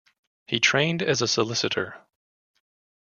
He trained as a solicitor.